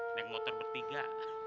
dengan motor bertiga